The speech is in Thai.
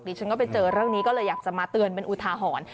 ฉันก็ไปเจอเรื่องนี้ก็เลยอยากจะมาเตือนเป็นอุทาหรณ์